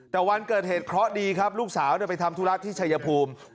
แต่วันเกิดเหตุเคราะห์ดีครับลูกสาวไปทำธุระที่ชัยภูมิ